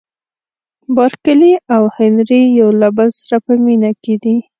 بارکلي او هنري یو له بل سره په مینه کې دي.